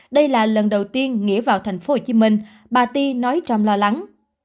đây là lần đầu tiên nghĩa vào tp hcm bà ti nói trong lo lắng